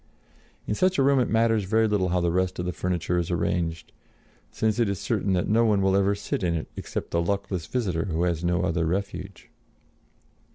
In such a room it matters very little how the rest of the furniture is arranged, since it is certain that no one will ever sit in it except the luckless visitor who has no other refuge.